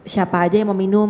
siapa saja yang mau minum